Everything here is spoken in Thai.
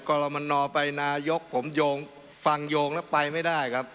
กรมนไปนายกผมโยงฟังโยงแล้วไปไม่ได้ครับ